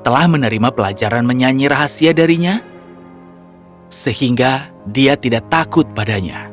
telah menerima pelajaran menyanyi rahasia darinya sehingga dia tidak takut padanya